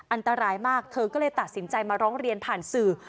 อันตรายมากเธอก็เลยตัดสินใจมาร้องเรียนผ่านสื่อ